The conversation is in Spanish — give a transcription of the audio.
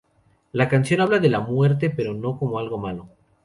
La canción habla de la muerte, pero no como algo malo.